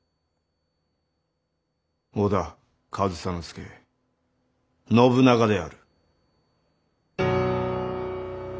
織田上総介信長である。